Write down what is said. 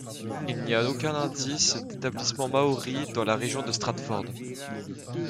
Il n'y a aucun indice d'établissement maori dans la région de Stratford.